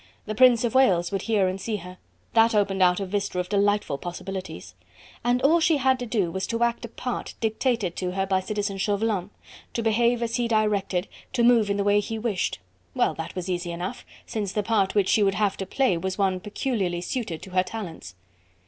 The Prince of Wales would hear and see her! that opened out a vista of delightful possibilities! And all she had to do was to act a part dictated to her by Citizen Chauvelin, to behave as he directed, to move in the way he wished! Well! that was easy enough, since the part which she would have to play was one peculiarly suited to her talents.